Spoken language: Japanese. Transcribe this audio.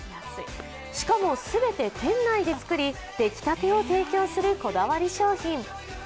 しかも全て店内で作り、出来たてを提供するこだわり商品。